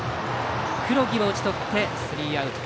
黒木を打ち取ってスリーアウト。